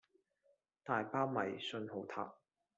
大包米訊號塔